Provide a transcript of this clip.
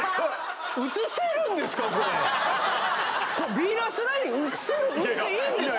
ビーナスライン映せるいいんですか？